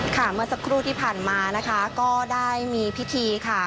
เมื่อสักครู่ที่ผ่านมานะคะก็ได้มีพิธีค่ะ